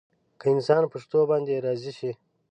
که انسان په شتو باندې راضي شي.